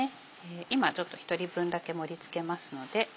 今ちょっと１人分だけ盛り付けますので。